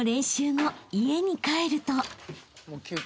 後家に帰ると］